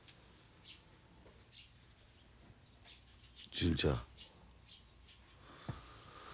純ちゃん。